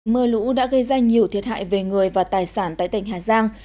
mưa lũ đã gây ra nhiều thiệt hại về người và tài sản tại tỉnh hà giang